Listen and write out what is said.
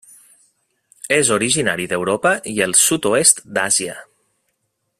És originari d'Europa i el sud-oest d'Àsia.